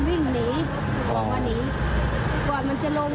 จะพังแล้วหนีหนีก็เลยพากันวิ่งหนีอ๋อก่อนมันจะลง